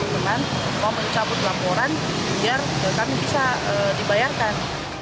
bersama teman teman mau mencabut laporan biar kami bisa dibayarkan